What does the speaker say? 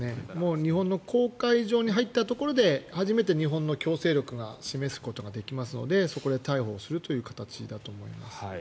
日本の公海上に入ったところで初めて日本の強制力を示すことができますのでそこで逮捕する形だと思います。